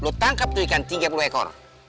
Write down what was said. sepuluh tangkap tuh ikan tiga puluh ekor